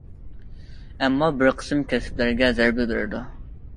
ئەمما بىر قىسىم كەسىپلەرگە زەربە بېرىدۇ.